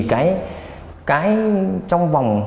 cái trong vòng